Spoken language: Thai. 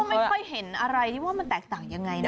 ไม่ค่อยเห็นอะไรที่ว่ามันแตกต่างยังไงนะ